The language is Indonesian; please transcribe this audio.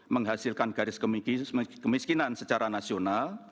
menghasilkan garis kemiskinan secara nasional